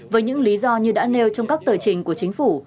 với những lý do như đã nêu trong các tờ trình của chính phủ